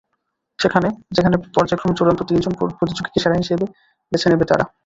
যেখানে পর্যায়ক্রমে চূড়ান্ত তিন জন প্রতিযোগীকে সেরা হিসেবে বেছে নেবে তারা।